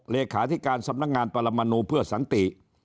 เลขาธิการสำนักงานปรมนูเพื่อสันติ